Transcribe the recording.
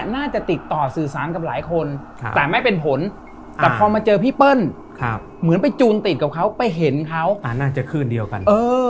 น่าจะคลื่นเดียวกัน